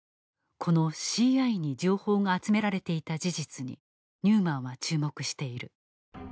この「ＣＩ」に情報が集められていた事実にニューマンは注目している。